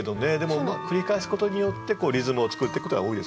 繰り返すことによってリズムを作ってくことが多いですね